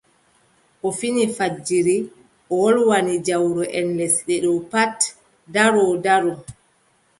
O fini fajiri, o wolwani jawroʼen lesle ɗo kam pat ndaro ndaro.